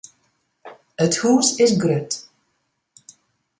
It hús is grut.